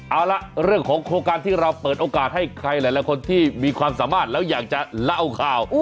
เอาล่ะเรื่องของโครงการที่เราเปิดโอกาสให้ใครหลายคนที่มีความสามารถแล้วอยากจะเล่าข่าว